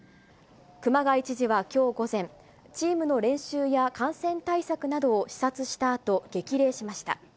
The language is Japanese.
熊谷知事はきょう午前、チームの練習や感染対策などを視察したあと、激励しました。